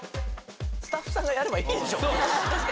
スタッフさんがやればいいでしょ。